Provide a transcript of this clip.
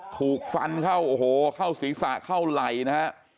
ถูกฟันเข้าโอ้โหเข้าศีรษะเข้าไหล่นะฮะ